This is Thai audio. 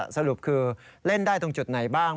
สรุปคือเล่นได้ตรงจุดไหนบ้าง